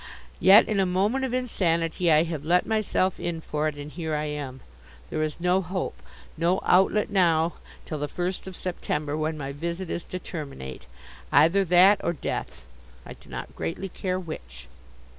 Yet in a moment of insanity I have let myself in for it and here I am. There is no hope, no outlet now till the first of September when my visit is to terminate. Either that or death. I do not greatly care which.